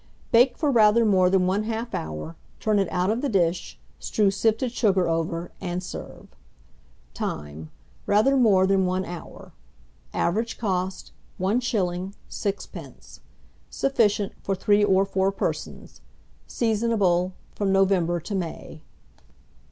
Bake for rather more than 1/2 hour; turn it out of the dish, strew sifted sugar over, and serve. Time. Rather more than 1 hour. Average cost, 1s, 6d. Sufficient for 3 or 4 persons. Seasonable from November to May.